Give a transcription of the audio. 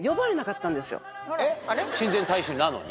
えっ親善大使なのに？